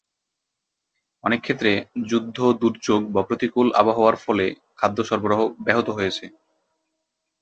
অনেক ক্ষেত্রে, যুদ্ধ, দুর্যোগ, বা প্রতিকূল আবহাওয়ার ফলে খাদ্য সরবরাহ ব্যাহত হয়েছে।